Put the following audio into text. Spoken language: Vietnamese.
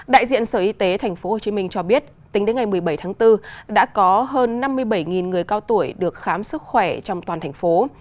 đại diện sở y tế tp hcm cho biết tính đến ngày một mươi bảy tháng bốn đã có hơn năm mươi bảy người cao tuổi được khám sức khỏe trong toàn thành phố